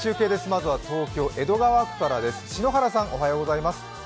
まずは東京・江戸川区からです。